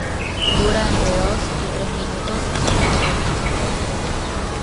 Dura entre dos y tres minutos sin interrupción.